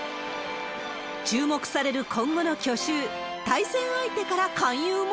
注目される今後の去就、対戦相手から勧誘も？